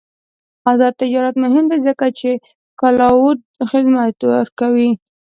آزاد تجارت مهم دی ځکه چې کلاؤډ خدمات ورکوي.